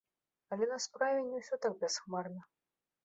Але на справе не ўсё так бясхмарна.